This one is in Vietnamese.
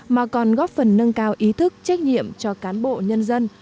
mà còn góp phần nâng cao ý thức trách nhiệm cho cán bộ nhân dân